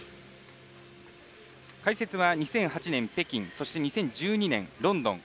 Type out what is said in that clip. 解説は２００８年、北京そして２０１２年、ロンドン。